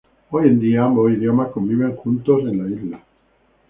Hoy en día, ambos idiomas conviven juntos en la isla.